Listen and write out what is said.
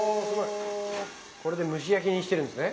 これで蒸し焼きにしてるんですね。